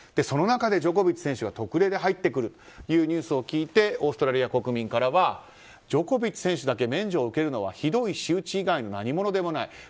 その中でジョコビッチ選手が特例として入ってくるというニュースを聞いてオーストラリア国民からはジョコビッチ選手だけ免除を受けるのはひどい仕打ち以外の何物でもない。